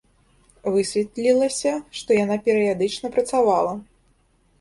Высветлілася, што яна перыядычна працавала.